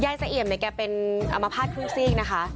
ยายสะเอี่ยมเนี่ยเป็นอมาภาษณ์ครึ่งสิ้งนะคะ